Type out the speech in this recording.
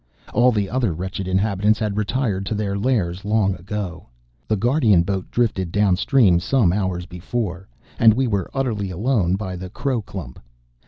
All the other wretched inhabitants had retired to their lairs long ago. The guardian boat drifted downstream some hours before, and we were utterly alone by the crow clump.